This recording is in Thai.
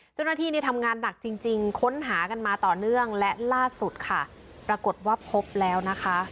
เจ้าหน้าที่เนี่ยทำงานหนักจริงค้นหากันมาต่อเนื่องและล่าสุดค่ะปรากฏว่าพบแล้วนะคะ